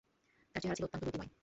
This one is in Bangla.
তাঁর চেহারা ছিল অত্যন্ত দ্যুতিময়।